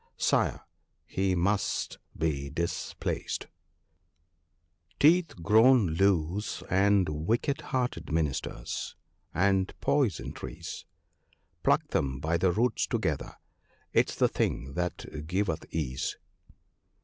Sire ! he must be dis placed !— 1 * Teeth grown loose, and wicked hearted ministers, and poison trees, Pluck them by the roots together ; 'tis the thing that giveth ease."